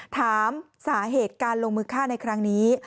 ถามสาเหตุการลงมือฆ่าในครั้งนี้